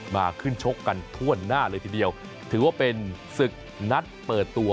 มาขึ้นชกกันทั่วหน้าเลยทีเดียวถือว่าเป็นศึกนัดเปิดตัว